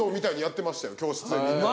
教室でみんなで。